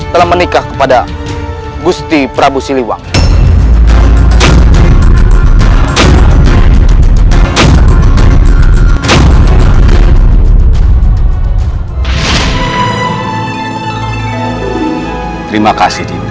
terima kasih dinda